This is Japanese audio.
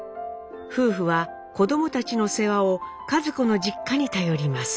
夫婦は子供たちの世話を一子の実家に頼ります。